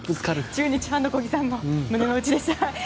中日ファンの小木さんの胸の内でした。